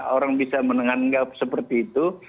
orang bisa menanggap seperti itu